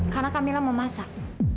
karena kak mila mau masak